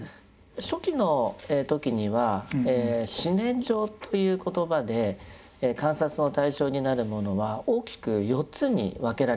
初期の時には「四念処」という言葉で観察の対象になるものは大きく４つに分けられていました。